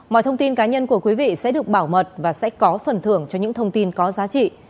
mọi thông tin cá nhân của quý vị sẽ được bảo mật và sẽ có phần thưởng cho những thông tin có giá trị